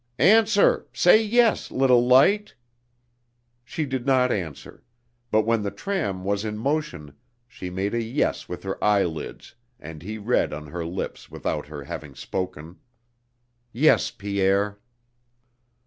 "Answer, say yes, little light!..." She did not answer; but when the tram was in motion she made a "yes" with her eyelids and he read on her lips without her having spoken: "Yes, Pierre."